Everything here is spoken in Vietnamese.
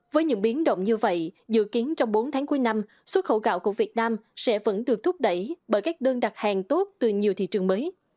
với những biến động như vậy dự kiến trong bốn tháng cuối năm xuất khẩu gạo của việt nam sẽ vẫn được thúc đẩy bởi các đơn đặt hàng tốt từ nhiều thị trường mới